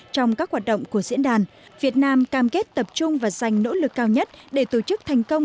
trong các hoạt động của diễn đàn việt nam cam kết tập trung và dành nỗ lực cao nhất để tổ chức thành công